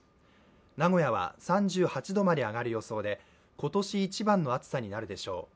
名古屋は３８度まで上がる予想で今年一番の暑さになるでしょう。